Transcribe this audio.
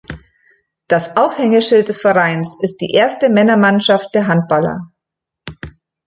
Das Aushängeschild des Vereins ist die erste Männermannschaft der Handballer.